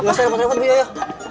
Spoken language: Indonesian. nggak usah rumput rumput bu yoyo